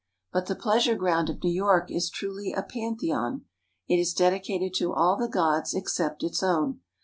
But the pleasure ground of New York is truly a Pantheon. It is dedicated to all the gods except its own.